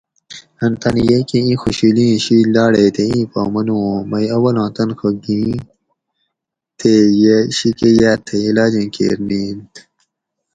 ان تانی یئی کہ اِیں خوشیلئیں شِید لاڑیئے تے اِیں پا منو اُوں مئی اولاں تنخہ گِھیں تے یہ شِیکہ یاۤ تھئی علاجیں کیر نِئینت